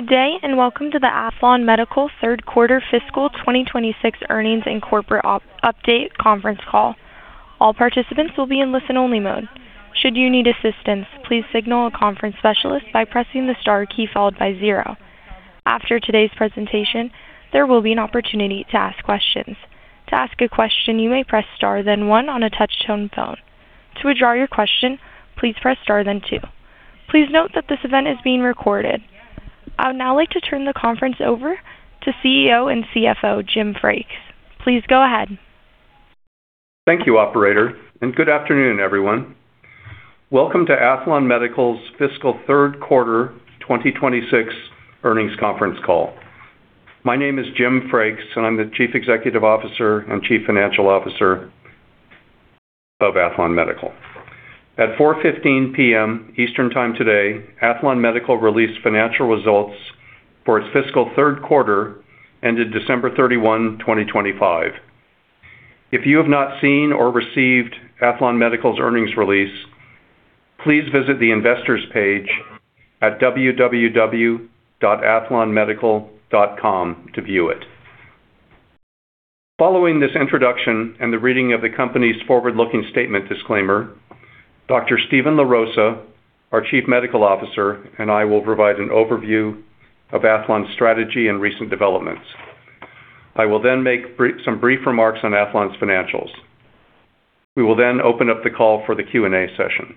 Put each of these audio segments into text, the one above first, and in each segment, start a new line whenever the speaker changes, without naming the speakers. Good day, and welcome to the Aethlon Medical Q3 fiscal 2026 earnings and corporate update conference call. All participants will be in listen-only mode. Should you need assistance, please signal a conference specialist by pressing the star key followed by zero. After today's presentation, there will be an opportunity to ask questions. To ask a question, you may press star, then one on a touch-tone phone. To withdraw your question, please press star, then two. Please note that this event is being recorded. I would now like to turn the conference over to CEO and CFO Jim Frakes. Please go ahead.
Thank you, operator, and good afternoon, everyone. Welcome to Aethlon Medical's fiscal Q3 2026 earnings conference call. My name is Jim Frakes, and I'm the Chief Executive Officer and Chief Financial Officer of Aethlon Medical. At 4:15 P.M. Eastern Time today, Aethlon Medical released financial results for its fiscal Q3, ended December 31, 2025. If you have not seen or received Aethlon Medical's earnings release, please visit the investors page at www.aethlonmedical.com to view it. Following this introduction and the reading of the company's forward-looking statement disclaimer, Dr. Steven LaRosa, our Chief Medical Officer, and I will provide an overview of Aethlon's strategy and recent developments. I will then make some brief remarks on Aethlon's financials. We will then open up the call for the Q&A session.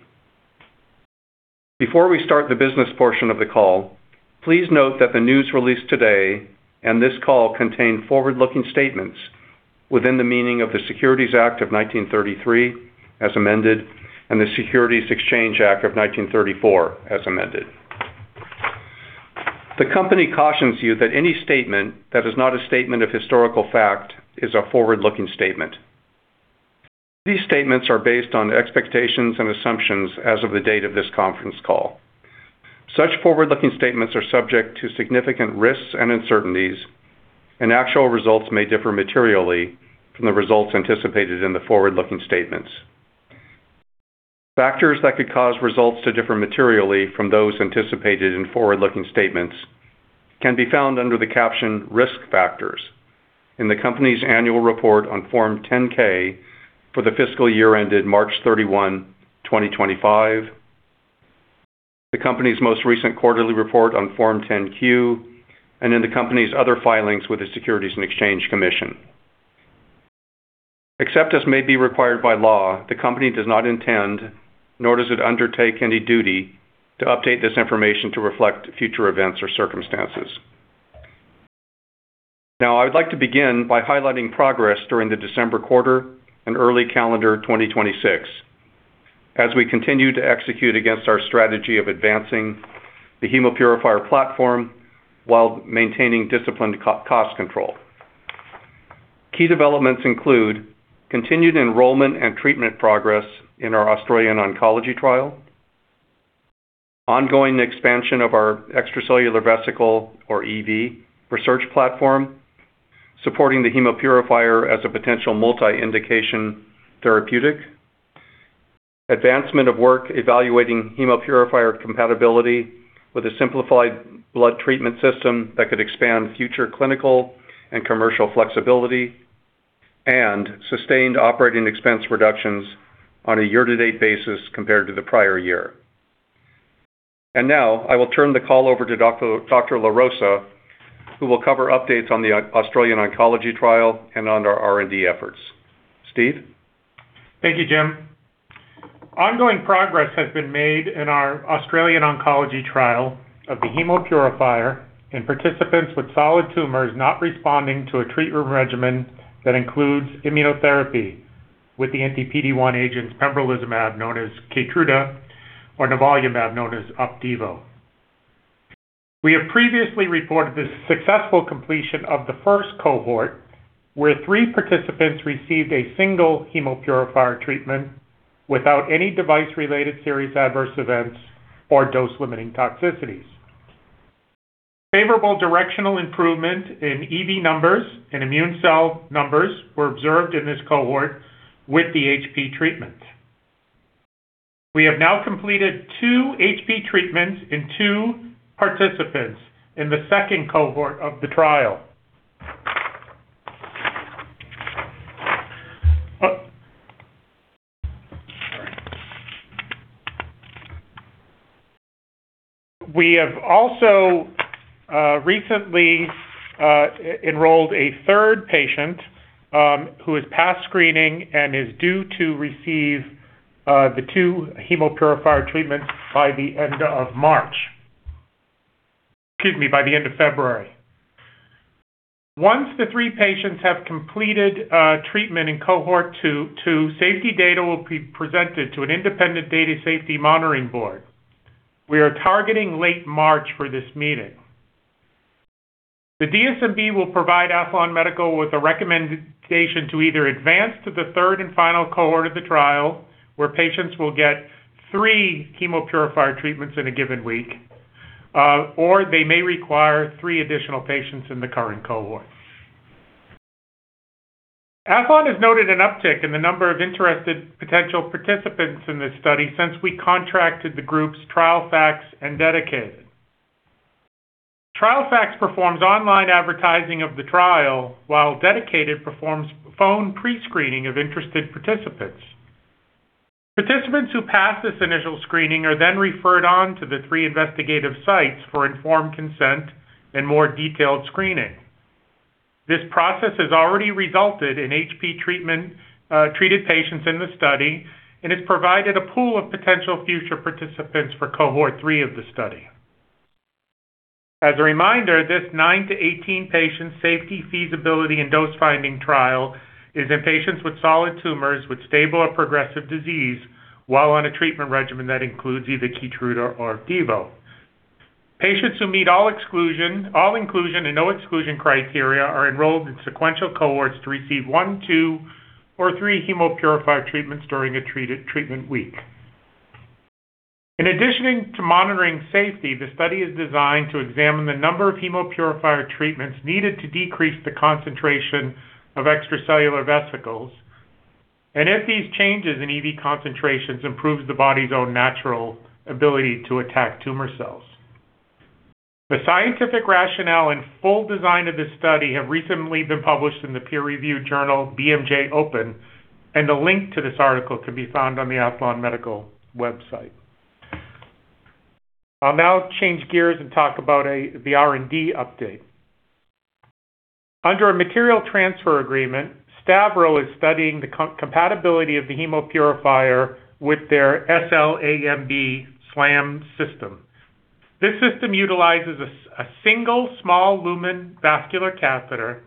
Before we start the business portion of the call, please note that the news release today and this call contain forward-looking statements within the meaning of the Securities Act of 1933, as amended, and the Securities Exchange Act of 1934, as amended. The company cautions you that any statement that is not a statement of historical fact is a forward-looking statement. These statements are based on expectations and assumptions as of the date of this conference call. Such forward-looking statements are subject to significant risks and uncertainties, and actual results may differ materially from the results anticipated in the forward-looking statements. Factors that could cause results to differ materially from those anticipated in forward-looking statements can be found under the caption Risk Factors in the company's annual report on Form 10-K for the fiscal year ended March 31, 2025, the company's most recent quarterly report on Form 10-Q, and in the company's other filings with the Securities and Exchange Commission. Except as may be required by law, the company does not intend, nor does it undertake any duty to update this information to reflect future events or circumstances. Now, I would like to begin by highlighting progress during the December quarter and early calendar 2026, as we continue to execute against our strategy of advancing the Hemopurifier platform while maintaining disciplined cost control. Key developments include continued enrollment and treatment progress in our Australian oncology trial, ongoing expansion of our extracellular vesicle, or EV, research platform, supporting the Hemopurifier as a potential multi-indication therapeutic, advancement of work evaluating Hemopurifier compatibility with a simplified blood treatment system that could expand future clinical and commercial flexibility, and sustained operating expense reductions on a year-to-date basis compared to the prior year. Now I will turn the call over to Dr. LaRosa, who will cover updates on the Australian oncology trial and on our R&D efforts. Steve?
Thank you, Jim. Ongoing progress has been made in our Australian oncology trial of the Hemopurifier in participants with solid tumors not responding to a treatment regimen that includes immunotherapy with the anti-PD-1 agents, pembrolizumab, known as Keytruda, or nivolumab, known as Opdivo. We have previously reported the successful completion of the first cohort, where three participants received a single Hemopurifier treatment without any device-related serious adverse events or dose-limiting toxicities. Favorable directional improvement in EV numbers and immune cell numbers were observed in this cohort with the HP treatment. We have now completed two HP treatments in two participants in the second cohort of the trial. We have also recently enrolled a third patient who is past screening and is due to receive the two Hemopurifier treatments by the end of March. Excuse me, by the end of February. Once the 3 patients have completed treatment in cohort 2 to safety, data will be presented to an independent data safety monitoring board. We are targeting late March for this meeting. The DSMB will provide Aethlon Medical with a recommendation to either advance to the third and final cohort of the trial, where patients will get 3 Hemopurifier treatments in a given week, or they may require 3 additional patients in the current cohort. Aethlon has noted an uptick in the number of interested potential participants in this study since we contracted the groups, Trialfacts and Dedicated. Trialfacts performs online advertising of the trial, while Dedicated performs phone pre-screening of interested participants. Participants who pass this initial screening are then referred on to the 3 investigative sites for informed consent and more detailed screening. This process has already resulted in patients treated with HP in the study, and has provided a pool of potential future participants for cohort three of the study. As a reminder, this 9-18 patient safety, feasibility, and dose-finding trial is in patients with solid tumors, with stable or progressive disease, while on a treatment regimen that includes either Keytruda or Opdivo. Patients who meet all exclusion, all inclusion, and no exclusion criteria are enrolled in sequential cohorts to receive one, two, or three Hemopurifier treatments during a treatment week. In addition to monitoring safety, the study is designed to examine the number of Hemopurifier treatments needed to decrease the concentration of extracellular vesicles, and if these changes in EV concentrations improves the body's own natural ability to attack tumor cells. The scientific rationale and full design of this study have recently been published in the peer-reviewed journal, BMJ Open, and a link to this article can be found on the Aethlon Medical website. I'll now change gears and talk about the R&D update. Under a material transfer agreement, Stavro is studying the compatibility of the Hemopurifier with their SLAMB system. This system utilizes a single small lumen vascular catheter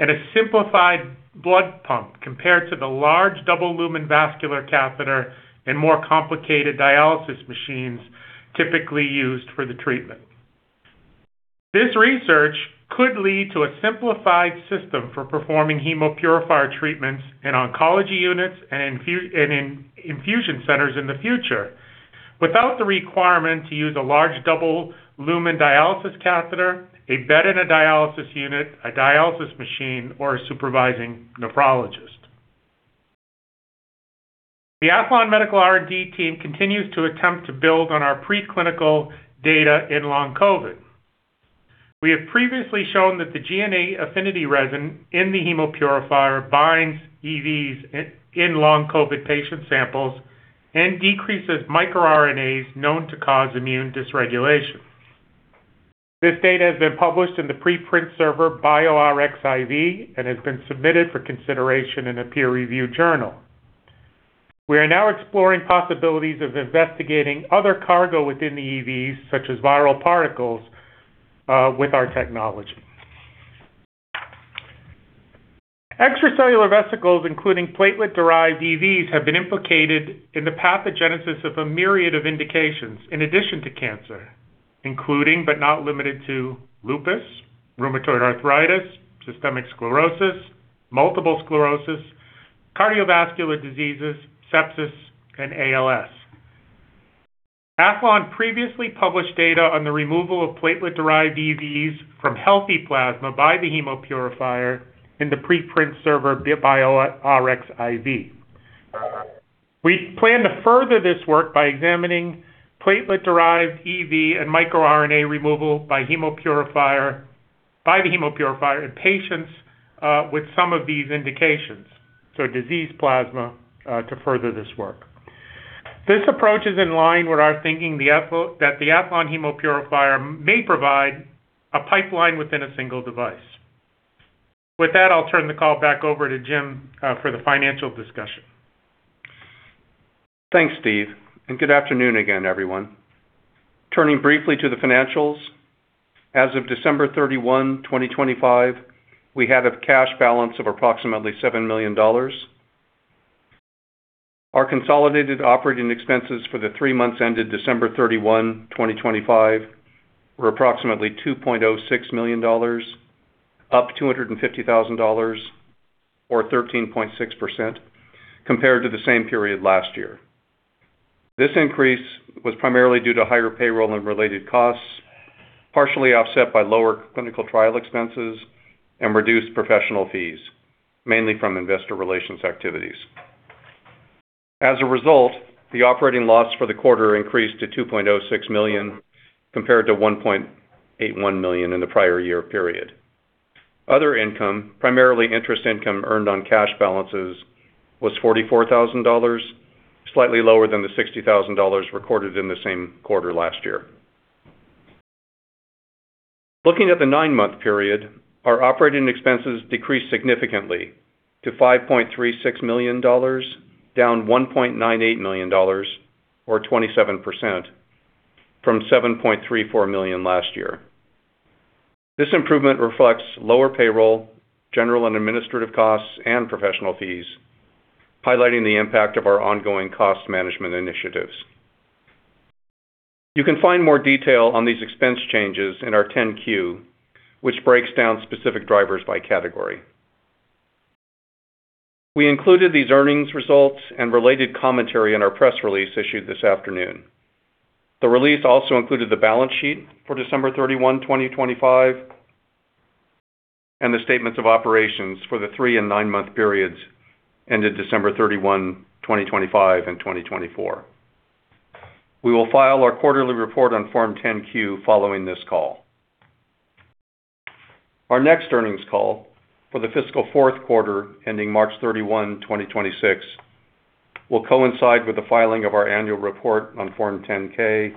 and a simplified blood pump, compared to the large double lumen vascular catheter and more complicated dialysis machines typically used for the treatment. This research could lead to a simplified system for performing Hemopurifier treatments in oncology units and in infusion centers in the future, without the requirement to use a large double lumen dialysis catheter, a bed in a dialysis unit, a dialysis machine, or a supervising nephrologist. The Aethlon Medical R&D team continues to attempt to build on our preclinical data in Long COVID. We have previously shown that the GNA affinity resin in the Hemopurifier binds EVs in Long COVID patient samples and decreases microRNAs known to cause immune dysregulation. This data has been published in the preprint server, bioRxiv, and has been submitted for consideration in a peer review journal. We are now exploring possibilities of investigating other cargo within the EVs, such as viral particles, with our technology. Extracellular vesicles, including platelet-derived EVs, have been implicated in the pathogenesis of a myriad of indications in addition to cancer, including but not limited to lupus, rheumatoid arthritis, systemic sclerosis, multiple sclerosis, cardiovascular diseases, sepsis, and ALS. Aethlon previously published data on the removal of platelet-derived EVs from healthy plasma by the Hemopurifier in the preprint server, bioRxiv. We plan to further this work by examining platelet-derived EV and microRNA removal by the Hemopurifier in patients with some of these indications, so disease plasma to further this work. This approach is in line with our thinking at Aethlon that the Aethlon Hemopurifier may provide a pipeline within a single device. With that, I'll turn the call back over to Jim for the financial discussion.
Thanks, Steve, and good afternoon again, everyone. Turning briefly to the financials, as of December 31, 2025, we had a cash balance of approximately $7 million. Our consolidated operating expenses for the three months ended December 31, 2025, were approximately $2.06 million, up $250,000 or 13.6% compared to the same period last year. This increase was primarily due to higher payroll and related costs, partially offset by lower clinical trial expenses and reduced professional fees, mainly from investor relations activities. As a result, the operating loss for the quarter increased to $2.06 million compared to $1.81 million in the prior year period. Other income, primarily interest income earned on cash balances, was $44,000, slightly lower than the $60,000 recorded in the same quarter last year. Looking at the nine-month period, our operating expenses decreased significantly to $5.36 million, down $1.98 million, or 27%, from $7.34 million last year. This improvement reflects lower payroll, general and administrative costs, and professional fees, highlighting the impact of our ongoing cost management initiatives. You can find more detail on these expense changes in our 10-Q, which breaks down specific drivers by category. We included these earnings results and related commentary in our press release issued this afternoon. ...The release also included the balance sheet for December 31, 2025, and the statements of operations for the 3- and 9-month periods ended December 31, 2025, and 2024. We will file our quarterly report on Form 10-Q following this call. Our next earnings call for the fiscal Q4, ending March 31, 2026, will coincide with the filing of our annual report on Form 10-K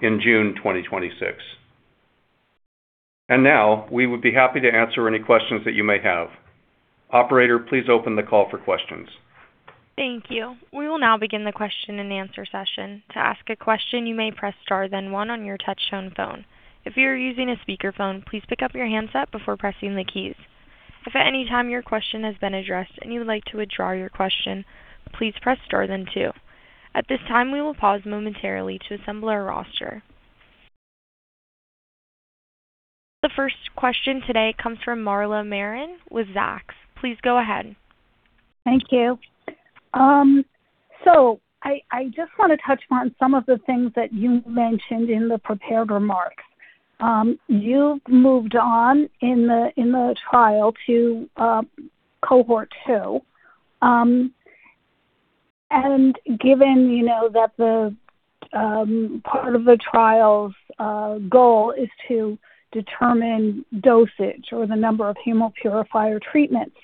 in June 2026. And now we would be happy to answer any questions that you may have. Operator, please open the call for questions.
Thank you. We will now begin the question-and-answer session. To ask a question, you may press star then one on your touchtone phone. If you're using a speakerphone, please pick up your handset before pressing the keys. If at any time your question has been addressed and you would like to withdraw your question, please press star then two. At this time, we will pause momentarily to assemble our roster. The first question today comes from Marla Marin with Zacks. Please go ahead.
Thank you. So I just want to touch on some of the things that you mentioned in the prepared remarks. You've moved on in the trial to Cohort 2. And given, you know, that the part of the trial's goal is to determine dosage or the number of Hemopurifier treatments,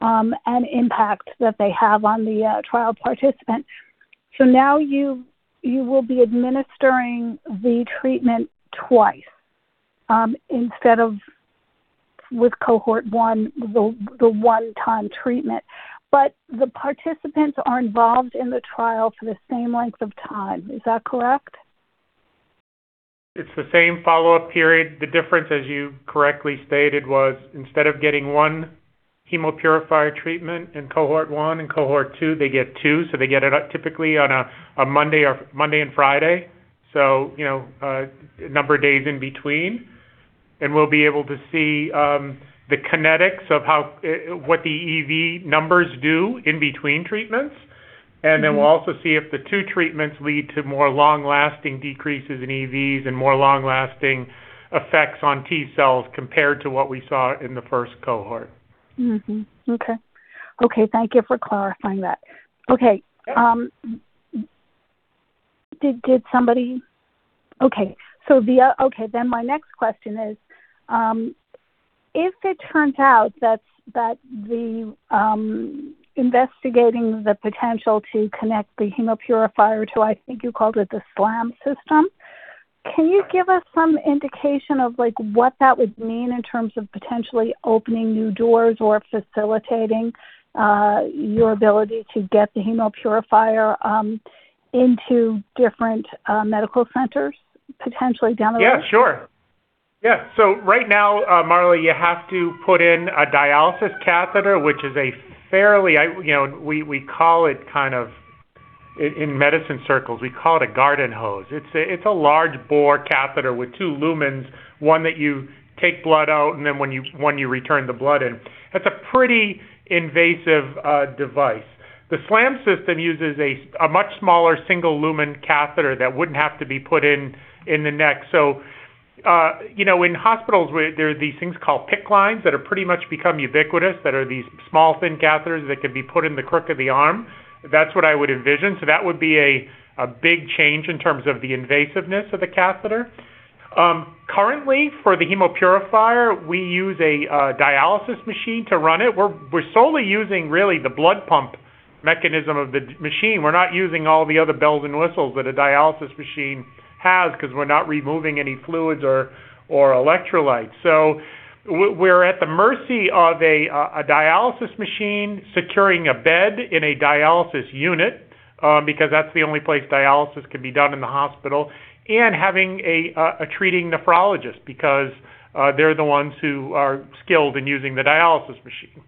and impact that they have on the trial participant. So now you will be administering the treatment twice, instead of with Cohort 1, the one-time treatment. But the participants are involved in the trial for the same length of time. Is that correct?
It's the same follow-up period. The difference, as you correctly stated, was instead of getting one Hemopurifier treatment in cohort one and cohort two, they get two. So they get it out typically on a Monday or Monday and Friday. So, you know, a number of days in between, and we'll be able to see the kinetics of how what the EV numbers do in between treatments. And then we'll also see if the two treatments lead to more long-lasting decreases in EVs and more long-lasting effects on T-cells compared to what we saw in the first cohort.
Mm-hmm. Okay. Okay, thank you for clarifying that. Okay, then my next question is, if it turns out that the investigating the potential to connect the Hemopurifier to—I think you called it the SLAMB system—can you give us some indication of, like, what that would mean in terms of potentially opening new doors or facilitating your ability to get the Hemopurifier into different medical centers, potentially down the road?
Yeah, sure. Yeah. So right now, Marla, you have to put in a dialysis catheter, which is a fairly, you know, we call it kind of in medicine circles a garden hose. It's a large bore catheter with two lumens, one that you take blood out, and then one you return the blood in. That's a pretty invasive device. The SLAMB system uses a much smaller single lumen catheter that wouldn't have to be put in the neck. So, you know, in hospitals, where there are these things called PICC lines that are pretty much become ubiquitous, that are these small, thin catheters that can be put in the crook of the arm. That's what I would envision. So that would be a big change in terms of the invasiveness of the catheter. Currently, for the Hemopurifier, we use a dialysis machine to run it. We're solely using really the blood pump mechanism of the dialysis machine. We're not using all the other bells and whistles that a dialysis machine has because we're not removing any fluids or electrolytes. So we're at the mercy of a dialysis machine, securing a bed in a dialysis unit, because that's the only place dialysis can be done in the hospital, and having a treating nephrologist, because they're the ones who are skilled in using the dialysis machine.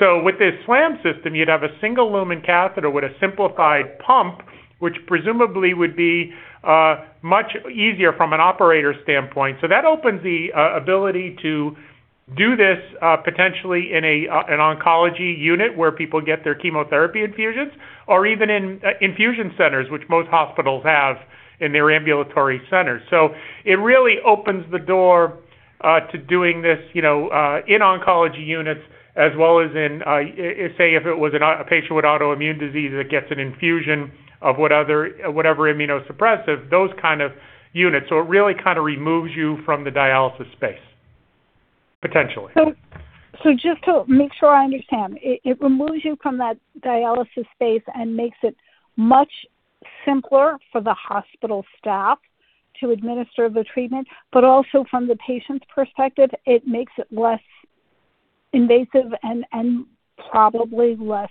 So with this SLAM system, you'd have a single lumen catheter with a simplified pump, which presumably would be much easier from an operator standpoint. So that opens the ability to do this potentially in an oncology unit, where people get their chemotherapy infusions, or even in infusion centers, which most hospitals have in their ambulatory centers. So it really opens the door to doing this, you know, in oncology units, as well as in, say, if it was a patient with autoimmune disease that gets an infusion of whatever immunosuppressive, those kind of units. So it really kind of removes you from the dialysis space, potentially.
So, just to make sure I understand, it removes you from that dialysis space and makes it much simpler for the hospital staff to administer the treatment, but also from the patient's perspective, it makes it less invasive and probably less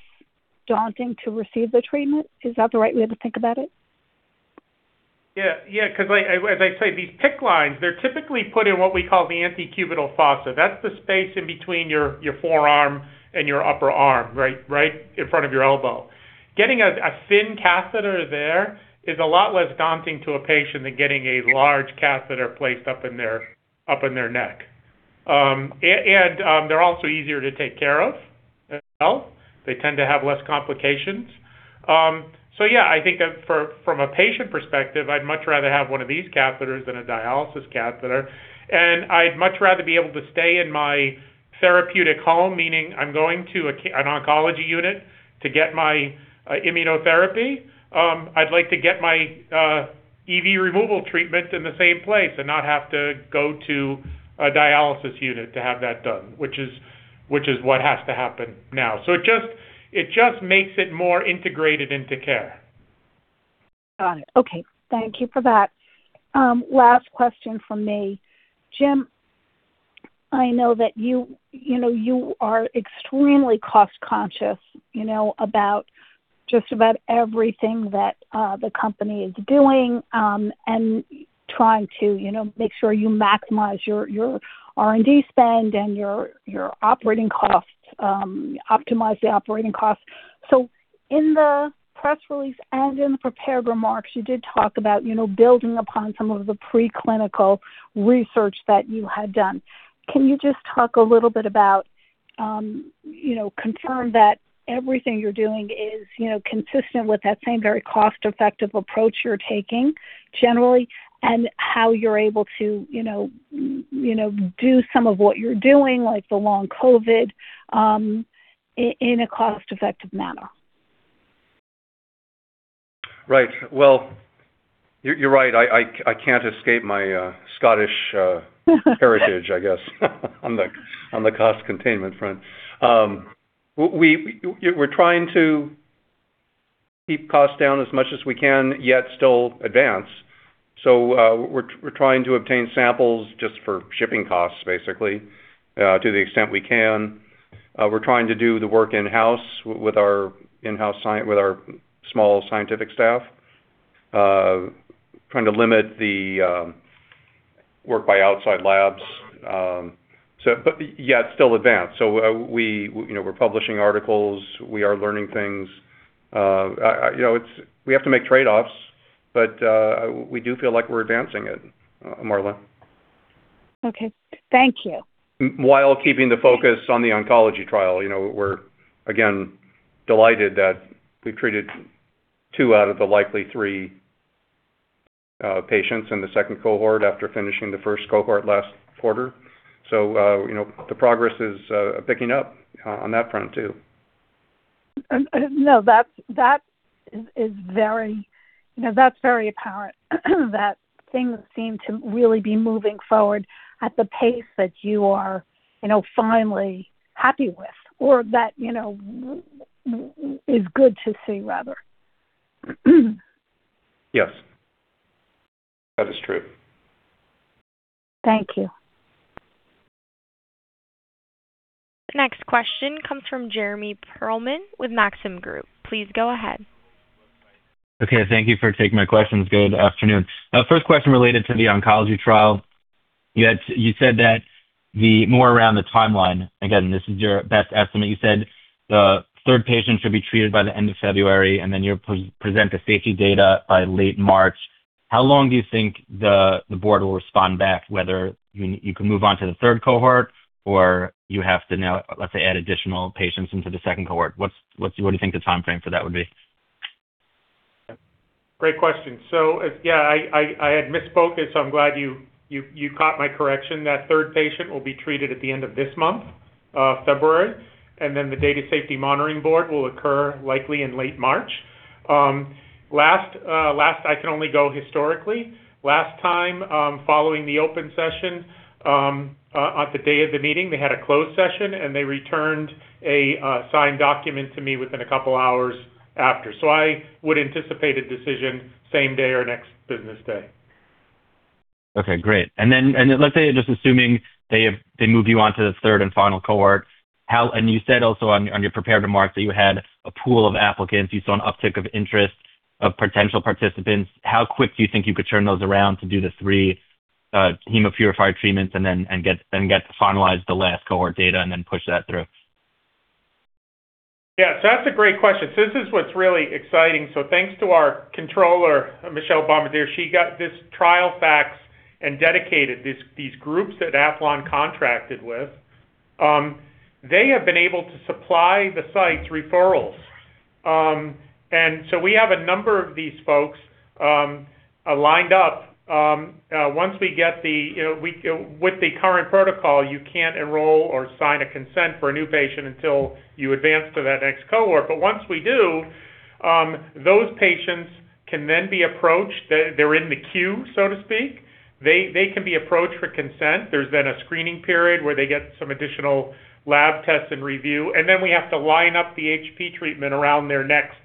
daunting to receive the treatment. Is that the right way to think about it?
Yeah. Yeah, 'cause like, as I say, these PICC lines, they're typically put in what we call the antecubital fossa. That's the space in between your, your forearm and your upper arm, right, right in front of your elbow. Getting a thin catheter there is a lot less daunting to a patient than getting a large catheter placed up in their, up in their neck. They're also easier to take care of as well. They tend to have less complications. So yeah, I think that from, from a patient perspective, I'd much rather have one of these catheters than a dialysis catheter, and I'd much rather be able to stay in my therapeutic home, meaning I'm going to an oncology unit to get my immunotherapy. I'd like to get my EV removal treatment in the same place and not have to go to a dialysis unit to have that done, which is what has to happen now. So it just makes it more integrated into care.
Got it. Okay, thank you for that. Last question from me. Jim, I know that you, you know, you are extremely cost conscious, you know, about just about everything that, the company is doing, and trying to, you know, make sure you maximize your, your R&D spend and your, your operating costs, optimize the operating costs. So in the press release and in the prepared remarks, you did talk about, you know, building upon some of the preclinical research that you had done. Can you just talk a little bit about, you know, confirm that everything you're doing is, you know, consistent with that same very cost-effective approach you're taking generally, and how you're able to, you know, you know, do some of what you're doing, like the Long COVID, in a cost-effective manner?
Right. Well, you're, you're right. I can't escape my Scottish heritage, I guess, on the cost containment front. We're trying to keep costs down as much as we can, yet still advance. So, we're trying to obtain samples just for shipping costs, basically, to the extent we can. We're trying to do the work in-house with our small scientific staff. Trying to limit the work by outside labs, so but, yeah, it's still advanced. So, we, you know, we're publishing articles, we are learning things. You know, it's... We have to make trade-offs, but we do feel like we're advancing it, Marla.
Okay, thank you.
While keeping the focus on the oncology trial. You know, we're, again, delighted that we've treated two out of the likely three patients in the second cohort after finishing the first cohort last quarter. So, you know, the progress is picking up on that front, too.
No, that's, that is, is very... You know, that's very apparent, that things seem to really be moving forward at the pace that you are, you know, finally happy with or that, you know, is good to see, rather.
Yes, that is true.
Thank you.
Next question comes from Jeremy Pearlman with Maxim Group. Please go ahead.
Okay, thank you for taking my questions. Good afternoon. First question related to the oncology trial. You had you said that the more around the timeline, again, this is your best estimate. You said the third patient should be treated by the end of February, and then you'll pre-present the safety data by late March. How long do you think the board will respond back, whether you can move on to the third cohort, or you have to now, let's say, add additional patients into the second cohort? What do you think the timeframe for that would be?
Great question. So yeah, I had misspoke, and so I'm glad you caught my correction. That third patient will be treated at the end of this month, February, and then the Data Safety Monitoring Board will occur likely in late March. Last, I can only go historically. Last time, following the open session, on the day of the meeting, they had a closed session, and they returned a signed document to me within a couple hours after. So I would anticipate a decision same day or next business day.
Okay, great. And then, and then let's say, just assuming they have—they move you on to the third and final cohort, how... And you said also on, on your prepared remarks that you had a pool of applicants. You saw an uptick of interest of potential participants. How quick do you think you could turn those around to do the three Hemopurifier treatments and then, and get, and get to finalize the last cohort data and then push that through?
Yeah, so that's a great question. So this is what's really exciting. So thanks to our controller, Michelle Bombardier, she got this TrialFax and Dedicated, these groups that Aethlon contracted with. They have been able to supply the site's referrals. And so we have a number of these folks lined up. Once we get the, you know, with the current protocol, you can't enroll or sign a consent for a new patient until you advance to that next cohort. But once we do, those patients can then be approached. They're in the queue, so to speak. They can be approached for consent. There's then a screening period, where they get some additional lab tests and review, and then we have to line up the HP treatment around their next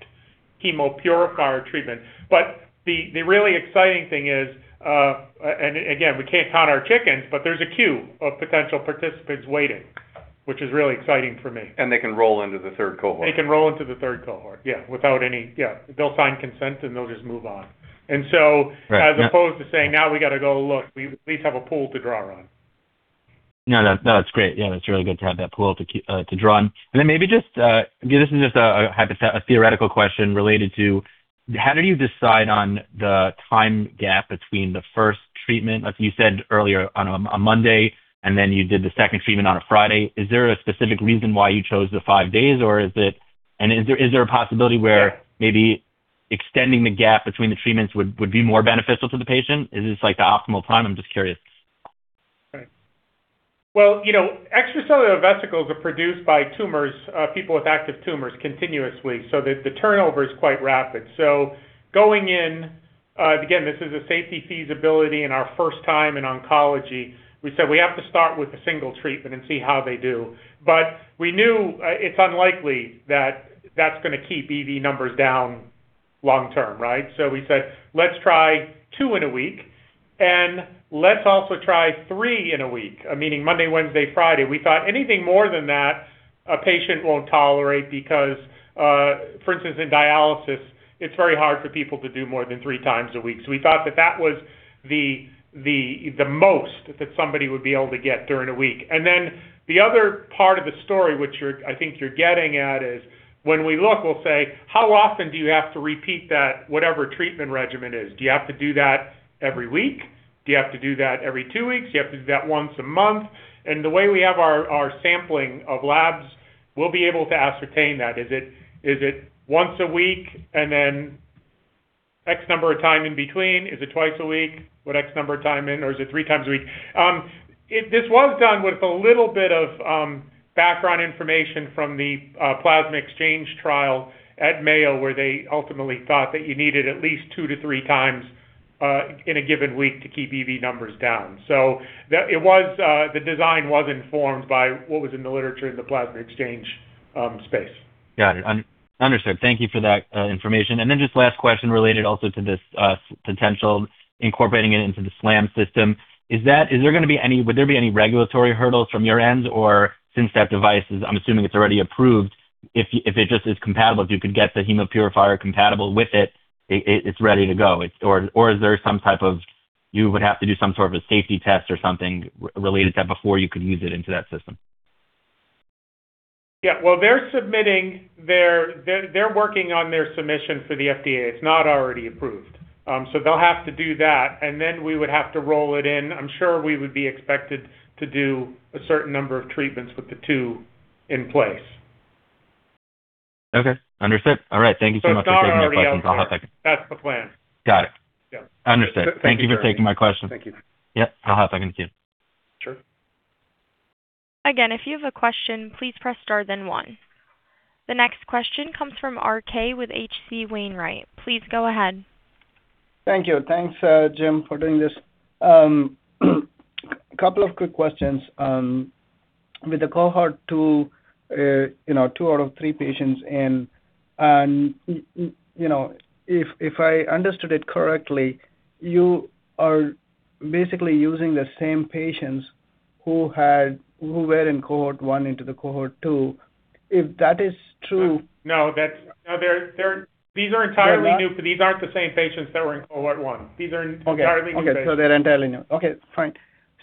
Hemopurifier treatment. But the really exciting thing is, and again, we can't count our chickens, but there's a queue of potential participants waiting, which is really exciting for me.
They can roll into the third cohort?
They can roll into the third cohort, yeah, without any... Yeah, they'll sign consent, and they'll just move on. And so-
Right.
as opposed to saying, "Now we gotta go look," we at least have a pool to draw on.
No, no, no, it's great. Yeah, that's really good to have that pool to draw on. And then maybe just, again, this is just a theoretical question related to how did you decide on the time gap between the first treatment, as you said earlier, on a Monday, and then you did the second treatment on a Friday? Is there a specific reason why you chose the five days, or is it... And is there, is there a possibility where maybe extending the gap between the treatments would be more beneficial to the patient? Is this like the optimal time? I'm just curious.
Right. Well, you know, extracellular vesicles are produced by tumors, people with active tumors continuously, so the turnover is quite rapid. So going in, again, this is a safety feasibility and our first time in oncology, we said we have to start with a single treatment and see how they do. But we knew, it's unlikely that that's gonna keep EV numbers down long term, right? So we said, "Let's try two in a week, and let's also try three in a week." Meaning Monday, Wednesday, Friday. We thought anything more than that, a patient won't tolerate because, for instance, in dialysis, it's very hard for people to do more than three times a week. So we thought that was the most that somebody would be able to get during a week. And then the other part of the story, which you're- I think you're getting at, is when we look, we'll say: How often do you have to repeat that, whatever treatment regimen is? Do you have to do that every week? Do you have to do that every two weeks? Do you have to do that once a month? And the way we have our, our sampling of labs, we'll be able to ascertain that. Is it, is it once a week, and then X number of time in between? Is it twice a week with X number of time in, or is it three times a week? It... This was done with a little bit of background information from the plasma exchange trial at Mayo, where they ultimately thought that you needed at least 2-3 times in a given week to keep EV numbers down. So the design was informed by what was in the literature in the plasma exchange space.
Got it. Understood. Thank you for that, information. And then just last question related also to this, potential incorporating it into the SLAMB system. Is there gonna be any—would there be any regulatory hurdles from your end, or since that device is, I'm assuming it's already approved, if it just is compatible, if you could get the Hemopurifier compatible with it, it's ready to go? Or is there some type of, you would have to do some sort of a safety test or something related to that before you could use it into that system?
Yeah, well, they're submitting their... They're working on their submission for the FDA. It's not already approved. So they'll have to do that, and then we would have to roll it in. I'm sure we would be expected to do a certain number of treatments with the two in place.
Okay, understood. All right, thank you so much for taking my question. I'll hop back-
That's the plan.
Got it.
Yeah.
Understood.
Thank you.
Thank you for taking my question.
Thank you.
Yeah. I'll hop back in queue.
Sure.
Again, if you have a question, please press Star then 1. The next question comes from RK with H.C. Wainwright. Please go ahead.
Thank you. Thanks, Jim, for doing this. A couple of quick questions. With the cohort two, you know, two out of three patients in, and, you know, if, if I understood it correctly, you are basically using the same patients who were in cohort one into the cohort two. If that is true-
No, they're, these are entirely new-
They're not-
These aren't the same patients that were in cohort one. These are entirely new patients.
Okay. Okay, so they're entirely new. Okay, fine.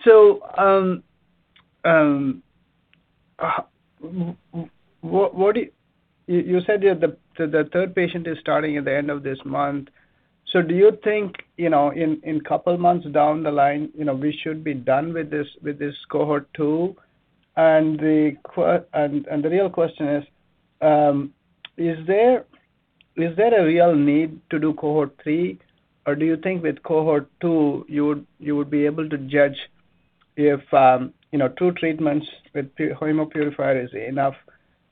So, what do... You said that the third patient is starting at the end of this month. So do you think, you know, in couple months down the line, you know, we should be done with this, with this cohort two? And the real question is, is there a real need to do cohort three, or do you think with cohort two, you would be able to judge if, you know, two treatments with Hemopurifier is enough,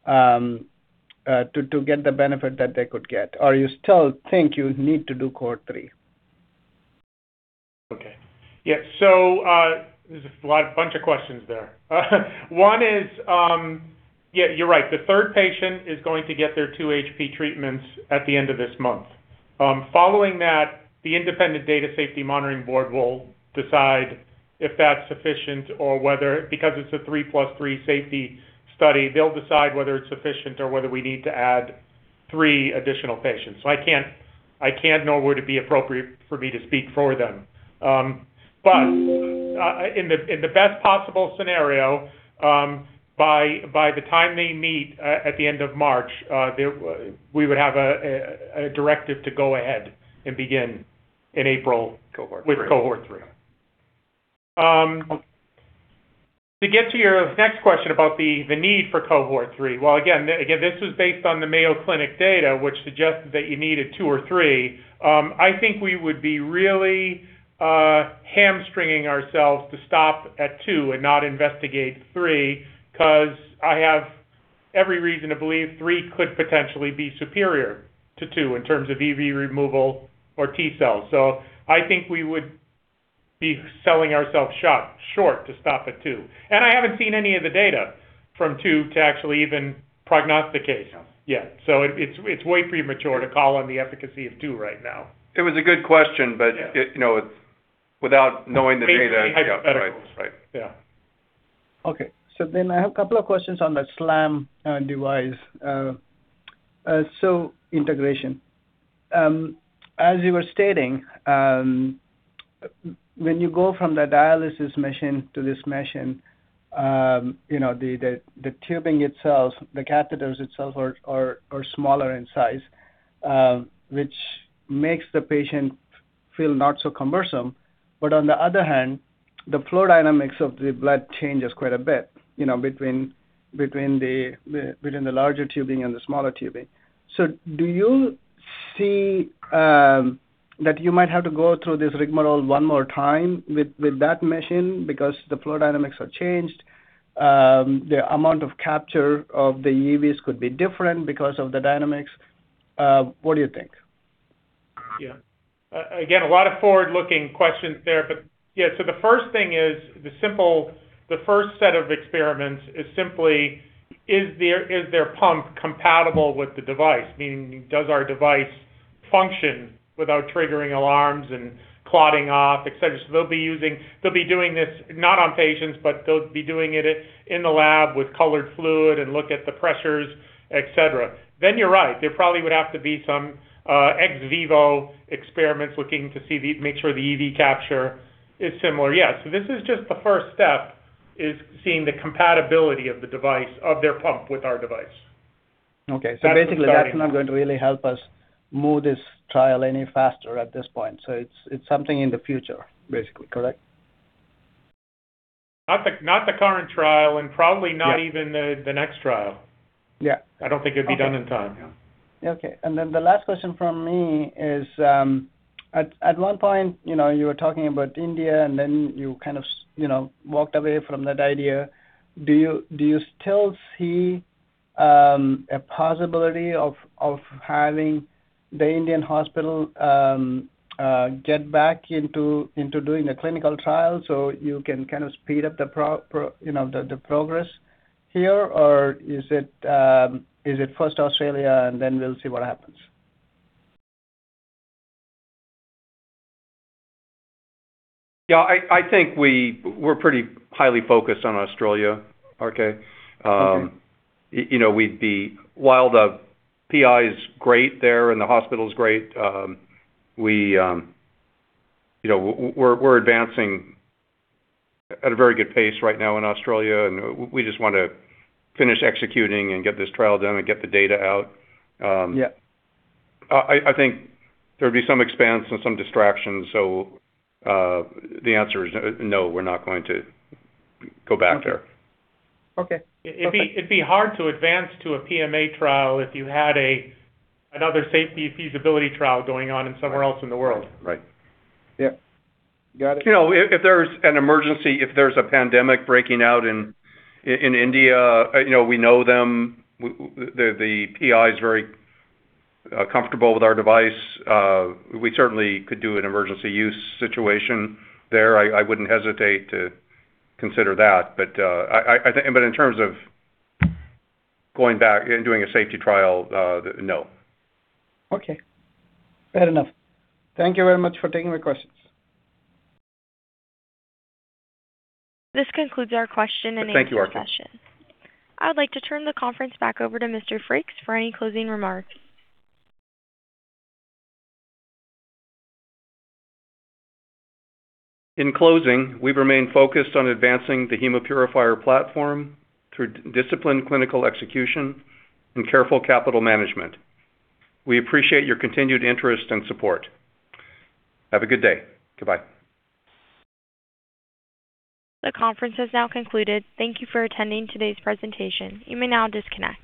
to get the benefit that they could get? Or you still think you need to do cohort three?
Okay. Yeah, so there's a lot, a bunch of questions there. One is, yeah, you're right. The third patient is going to get their two HP treatments at the end of this month. Following that, the independent Data Safety Monitoring Board will decide if that's sufficient or whether... Because it's a 3 + 3 safety study, they'll decide whether it's sufficient or whether we need to add three additional patients. So I can't, I can't know whether it be appropriate for me to speak for them. But, in the best possible scenario, by the time they meet at the end of March, they we would have a directive to go ahead and begin in April-
Cohort three...
with cohort three. To get to your next question about the need for cohort three. Well, again, this is based on the Mayo Clinic data, which suggested that you needed two or three. I think we would be really hamstringing ourselves to stop at two and not investigate three, 'cause I have every reason to believe three could potentially be superior to two in terms of EV removal or T-cells. So I think we would be selling ourselves short to stop at two. And I haven't seen any of the data from two to actually even prognosticate-
Yeah
Yet. So it's way premature to call on the efficacy of 2 right now.
It was a good question, but-
Yeah...
it, you know, without knowing the data-
Basically, hypothetical.
Right. Right.
Yeah.
Okay. So then I have a couple of questions on the SLAMB device, so integration. As you were stating, when you go from the dialysis machine to this machine, you know, the tubing itself, the catheters itself are smaller in size, which makes the patient feel not so cumbersome. But on the other hand, the flow dynamics of the blood changes quite a bit, you know, between the larger tubing and the smaller tubing. So do you see that you might have to go through this rigmarole one more time with that machine because the flow dynamics are changed, the amount of capture of the EVs could be different because of the dynamics? What do you think?
Yeah. Again, a lot of forward-looking questions there, but yeah. So the first thing is the first set of experiments is simply: is their pump compatible with the device? Meaning, does our device function without triggering alarms and clotting off, et cetera. So they'll be doing this not on patients, but they'll be doing it in the lab with colored fluid and look at the pressures, et cetera. Then you're right. There probably would have to be some ex vivo experiments looking to see make sure the EV capture is similar. Yeah, so this is just the first step, is seeing the compatibility of the device, of their pump with our device.
Okay.
That's the starting point.
Basically, that's not going to really help us move this trial any faster at this point. It's, it's something in the future, basically, correct?
Not the current trial, and probably-
Yeah...
not even the next trial.
Yeah.
I don't think it'd be done in time, yeah.
Okay. And then the last question from me is, at one point, you know, you were talking about India, and then you kind of, you know, walked away from that idea. Do you still see a possibility of having the Indian hospital get back into doing a clinical trial so you can kind of speed up the progress here? Or is it first Australia, and then we'll see what happens?
Yeah, I think we're pretty highly focused on Australia, RK.
Okay.
You know, we'd be... While the PI is great there and the hospital is great, we, you know, we're advancing at a very good pace right now in Australia, and we just want to finish executing and get this trial done and get the data out.
Yeah.
I think there'd be some expense and some distractions, so the answer is no, we're not going to go back there.
Okay. Okay.
It'd be hard to advance to a PMA trial if you had another safety feasibility trial going on somewhere else in the world.
Right.
Yeah. Got it.
You know, if there's an emergency, if there's a pandemic breaking out in India, you know, we know them. The PI is very comfortable with our device. We certainly could do an emergency use situation there. I wouldn't hesitate to consider that. But I think... But in terms of going back and doing a safety trial, no.
Okay. Fair enough. Thank you very much for taking the questions.
This concludes our question and answer session.
Thank you, RK.
I'd like to turn the conference back over to Mr. Frakes for any closing remarks.
In closing, we've remained focused on advancing the Hemopurifier platform through disciplined clinical execution and careful capital management. We appreciate your continued interest and support. Have a good day. Goodbye.
The conference has now concluded. Thank you for attending today's presentation. You may now disconnect.